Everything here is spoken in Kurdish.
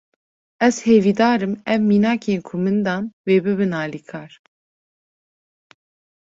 Ez hevîdarim ev minakên ku min dan, wê bibin alîkar